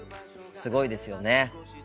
すごいですよね。